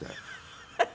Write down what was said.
ハハハハ。